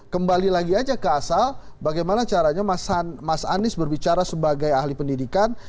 kembali lagi aja ke asal bagaimana caranya mas anies berbicara sebagai ahli pendidikan